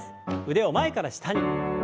腕を前から下に。